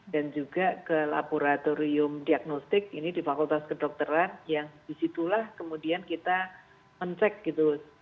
dan juga ke laboratorium diagnostik ini di fakultas kedokteran yang disitulah kemudian kita mencek gitu